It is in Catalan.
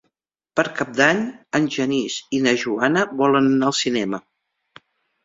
Per Cap d'Any en Genís i na Joana volen anar al cinema.